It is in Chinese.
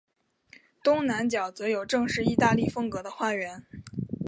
东南角则有正式意大利风格的花园。